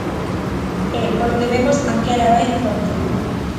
E, polo que vemos, Anquela vai de fronte.